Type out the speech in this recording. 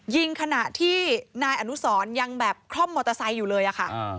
ขณะที่นายอนุสรยังแบบคล่อมมอเตอร์ไซค์อยู่เลยอะค่ะ